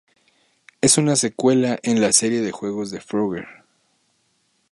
Es una secuela en la serie de juegos de Frogger.